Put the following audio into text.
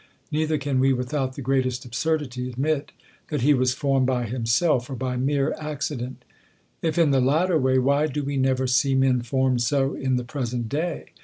Neither can we, without the greatest absurdity, admit that he was formed by himself, or by mere ac cident. If in the latter way, why do we never see men formed so in the present day